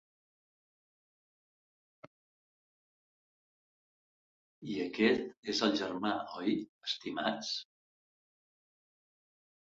I aquest és el germà, oi, estimats?